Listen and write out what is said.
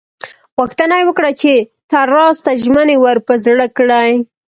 غوښتنه یې وکړه چې تزار ته ژمنې ور په زړه کړي.